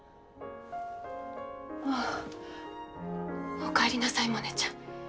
ああおかえりなさいモネちゃん。